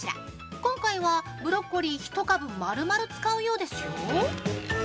今回は、ブロッコリー１株まるまる使うようですよ。